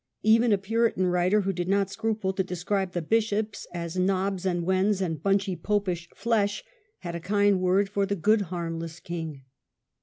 Even a Puritan writer, who did not scruple to describe the bishops as " knobs and wens and bunchy popish flesh", had a kind word for the "good, harmless king".